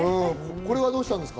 これはどうしたんですか？